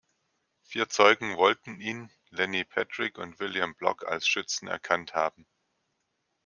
Vier Zeugen wollten ihn, Lenny Patrick und William Block als Schützen erkannt haben.